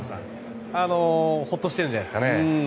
ホッとしてるんじゃないですかね。